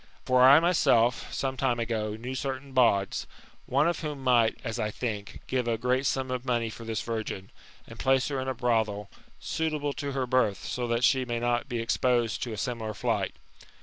For I myself, some time ago, knew certain bawds, one of whom might, as I think, give a great sum of money for this virgin, and place her in a brothel, suitable to her birth, so that she may not be exposed to a similar flight.